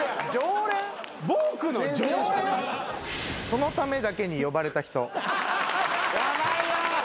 そのためだけに呼ばれた人。